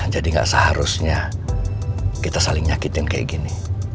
jadi gak seharusnya kita saling nyakitin kayak gini